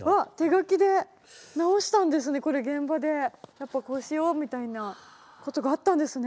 やっぱこうしようみたいなことがあったんですね。